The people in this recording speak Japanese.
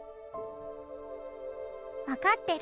「分かってる？